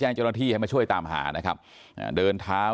ให้หามา